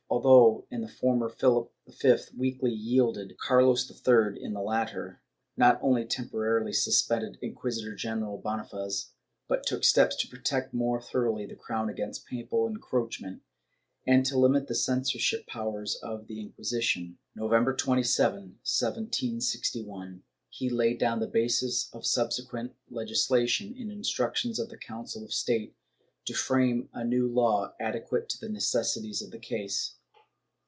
Although in the former Philip V weakly yielded, Carlos III in the latter, not only temporarily suspended Inquisitor general Bonifaz, but took steps to protect more thoroughly the crown against papal encroachment, and to limit the censorial powers of the Inquisition. November 27, 1761, he laid down the basis of subsequent legis lation in instructions to the Council of State to frame a law ade quate to the necessities of the case.